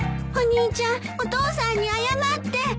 お兄ちゃんお父さんに謝って。